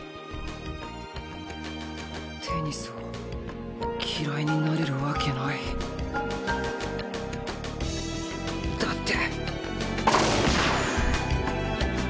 テニスを嫌いになれるわけないだって。